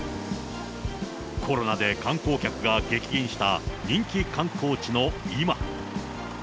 コロナで観光客が激減した人気観光地の今。